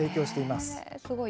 すごい。